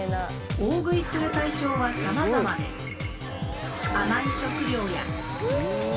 大食いする対象はさまざまで甘い食料や。